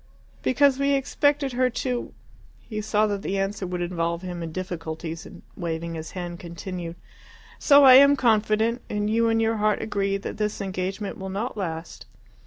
"Because we expected her to " He saw that the answer would involve him in difficulties, and, waving his hand, continued, "So I am confident, and you in your heart agree, that this engagement will not last.